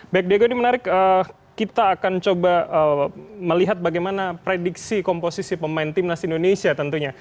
baik diego ini menarik kita akan coba melihat bagaimana prediksi komposisi pemain timnas indonesia tentunya